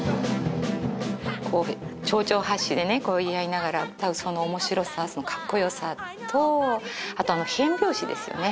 こう丁々発止でね言い合いながら歌うその面白さカッコよさとあと変拍子ですよね